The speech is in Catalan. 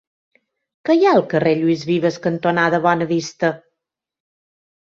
Què hi ha al carrer Lluís Vives cantonada Bonavista?